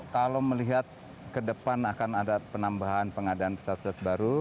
kalau melihat ke depan akan ada penambahan pengadaan pesawat pesawat baru